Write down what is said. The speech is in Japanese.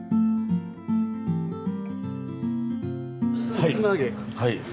さつま揚げです。